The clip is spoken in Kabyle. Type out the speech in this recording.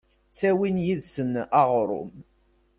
Ttawin yid-sen aɣrum…